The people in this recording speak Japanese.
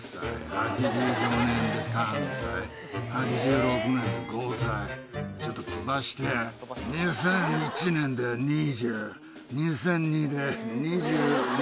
８４年で３歳８６年で５歳ちょっと飛ばして２００１年で２０２００２で２２？